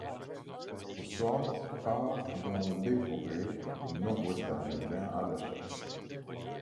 Oswald part dans les forêts du nord-ouest américain à la chasse.